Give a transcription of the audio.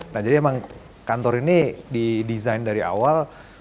nah jadi memang kantor ini di desain dari awal